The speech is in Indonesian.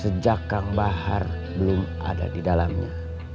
sejak kang bahar belum ada di dalam kota